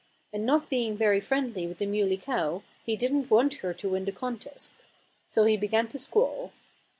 And not being very friendly with the Muley Cow he didn't want her to win the contest. So he began to squall.